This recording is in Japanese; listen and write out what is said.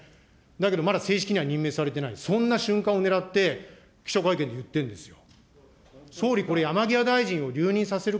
だけどまだ正式には任命されてない、そんな瞬間を狙って、記者会見で言ってるんですよ。